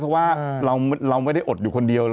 เพราะว่าเราไม่ได้อดอยู่คนเดียว